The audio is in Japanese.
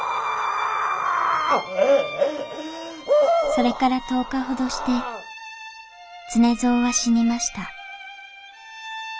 ・それから１０日ほどして常蔵は死にました